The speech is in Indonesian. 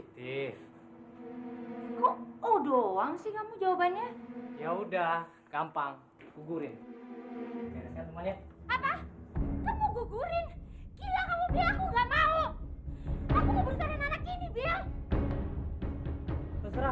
bill kamu kok jadi gak tahu jawab gini sih